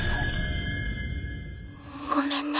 ごめんね。